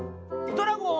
「ドラゴン？